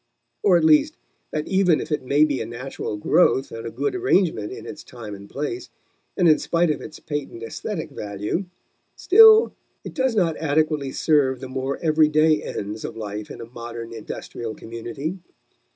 Or, at least, that even if it may be a natural growth and a good arrangement in its time and place, and in spite of its patent aesthetic value, still it does not adequately serve the more everyday ends of life in a modern industrial community.